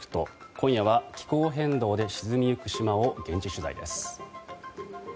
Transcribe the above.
今夜は気候変動で沈みゆく島を現地取材です。